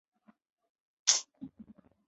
凌霄岩摩崖石刻的历史年代为民国。